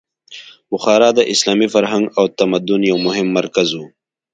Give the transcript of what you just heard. بخارا د اسلامي فرهنګ او تمدن یو مهم مرکز و.